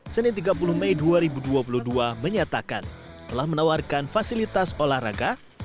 senin tiga puluh mei dua ribu dua puluh dua menyatakan telah menawarkan fasilitas olahraga